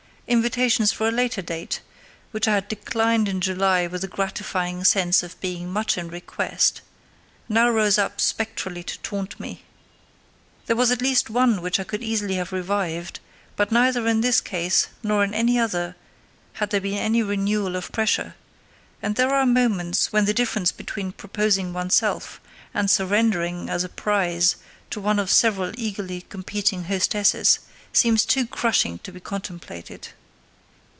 Invitations for a later date, which I had declined in July with a gratifying sense of being much in request, now rose up spectrally to taunt me. There was at least one which I could easily have revived, but neither in this case nor in any other had there been any renewal of pressure, and there are moments when the difference between proposing oneself and surrendering as a prize to one of several eagerly competing hostesses seems too crushing to be contemplated.